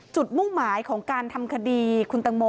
มุ่งหมายของการทำคดีคุณตังโม